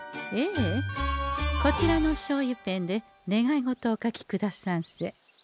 こちらのしょうゆペンで願い事をお書きくださんせ。